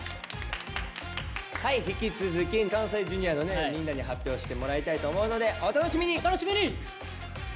はい引き続き関西Ｊｒ．のねみんなに発表してもらいたいと思うのでお楽しみに！